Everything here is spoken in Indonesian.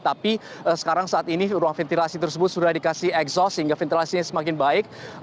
tapi sekarang saat ini ruang ventilasi tersebut sudah dikasih exos sehingga ventilasinya semakin baik